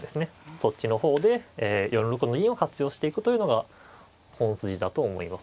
そっちの方で４六の銀を活用していくというのが本筋だと思います。